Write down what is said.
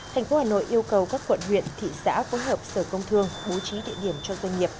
thành phố hà nội yêu cầu các quận huyện thị xã phối hợp sở công thương bố trí địa điểm cho doanh nghiệp